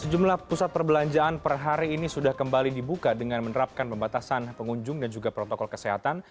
sejumlah pusat perbelanjaan per hari ini sudah kembali dibuka dengan menerapkan pembatasan pengunjung dan juga protokol kesehatan